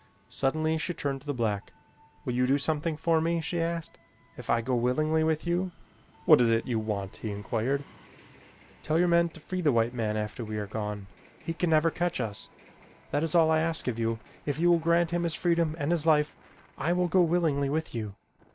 Suddenly she turned to the black. "Will you do something for me?" she asked. "If I go willingly with you?" "What is it you want?" he inquired. "Tell your men to free the white man after we are gone. He can never catch us. That is all I ask of you. If you will grant him his freedom and his life, I will go willingly with you.